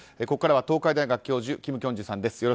ここからは東海大学教授の金慶珠さんです。